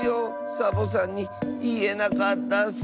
サボさんにいえなかったッス。